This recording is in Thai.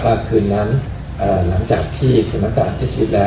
คืนนั้นหลังจากที่เห็นน้ำตาลเสียชีวิตแล้ว